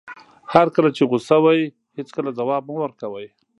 هر کله چې غوسه وئ هېڅکله ځواب مه ورکوئ.